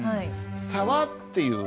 「沢」っていうのは。